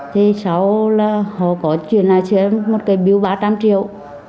thì sau là họ có chuyển lại cho em một cái biếu ba trăm linh triệu